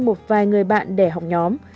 một vài người bạn để học nhóm